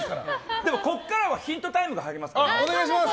でも、ここからはヒントタイムが入りますから。